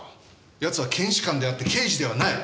奴は検視官であって刑事ではない。